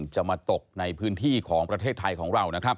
จะมาตกในพื้นที่ของประเทศไทยของเรานะครับ